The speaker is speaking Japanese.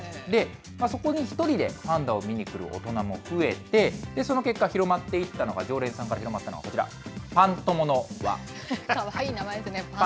そこに１人でパンダを見に来る大人も増えて、その結果、広まっていったのが、常連さんから広まったのがこちら、パン友の輪。